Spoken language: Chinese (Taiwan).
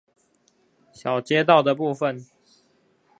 小街道的部分